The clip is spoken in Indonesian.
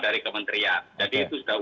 dari kementerian jadi itu sudah